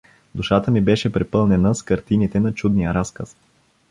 Душата ми беше препълнена с картините на чудния разказ.